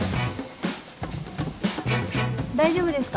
大丈夫ですか？